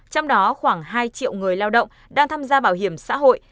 trong đó khoảng hai triệu người lao động đang tham gia bảo hiểm xã hội